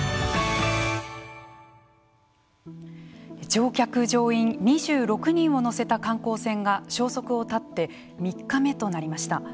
乗員・乗客２６人を乗せた観光船が消息を絶って３日目となりました。